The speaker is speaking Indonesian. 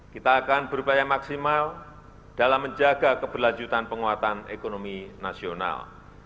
kita akan berupaya maksimal dalam menjaga keberlanjutan penguatan ekonomi nasional